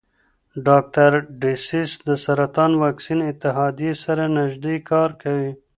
ډاکټر ډسیس د سرطان واکسین اتحادیې سره نژدې کار کوي.